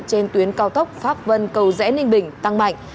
trên tuyến cao tốc pháp vân cầu rẽ ninh bình tăng mạnh